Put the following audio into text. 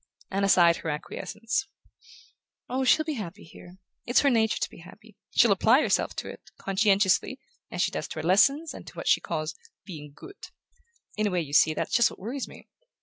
Anna sighed her acquiescence. "Oh, she'll be happy here. It's her nature to be happy. She'll apply herself to it, conscientiously, as she does to her lessons, and to what she calls 'being good'...In a way, you see, that's just what worries me.